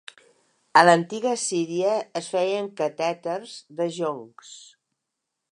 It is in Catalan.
A l'antiga Síria es feien catèters de joncs.